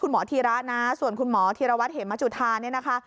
คุณหมอธีระนะส่วนคุณหมอธีระวัชเหมมาชุธานะคะ